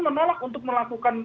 menolak untuk melakukan